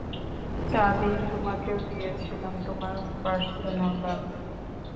চাবি তোমাকেও দিয়েছিলাম, তোমার পার্সোনাল ব্যবহারের জন্য।